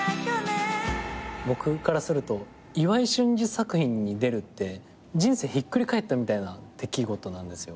僕からすると岩井俊二作品に出るって人生ひっくり返ったみたいな出来事なんですよ。